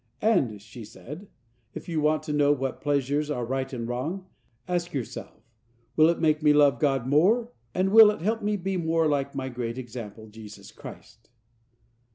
"And," she said, "if you want to know what pleasures are right and wrong, ask yourself: 'Will it make me love God more, and will it help me to be more like my great example, Jesus Christ?'"